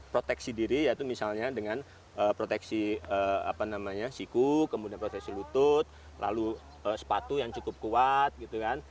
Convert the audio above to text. proteksi diri yaitu misalnya dengan proteksi apa namanya siku kemudian proteksi lutut lalu sepatu yang cukup kuat gitu kan